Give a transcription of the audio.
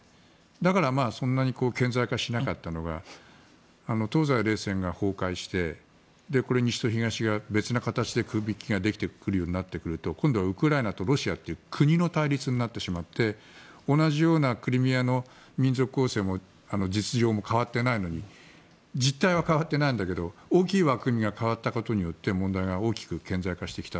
だからそんなに顕在化しなかったのが東西冷戦が崩壊して西と東が別の形で区引きができるようになってくると今度はウクライナとロシアと国の対立になってしまって同じようなクリミアの民族構成も実情も変わっていないのに実態は変わっていないんだけど大きな枠組みが変わったことによって問題が大きく顕在化してきた。